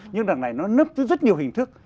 nhưng đằng này nó nấp dưới rất nhiều hình thức